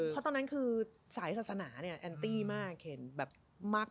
เพราะตอนนั้นคือสายศาสนาเนี่ยแอนตี้มากเข็นแบบมาก